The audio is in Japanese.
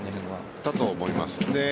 だと思います。